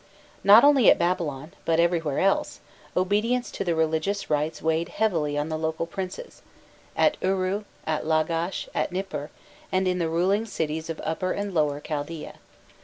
Not only at Babylon, but everywhere else, obedience to the religious rites weighed heavily on the local princes; at Uru, at Lagash, at Nipur, and in the ruling cities of Upper and Lower Chaldaea.